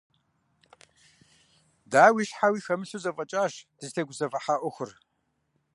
Дауи щхьэуи хэмылъу зэфӀэкӀащ дызытегузэвыхьа Ӏуэхур.